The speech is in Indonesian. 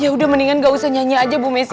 yaudah mendingan gak usah nyanyi aja bu messi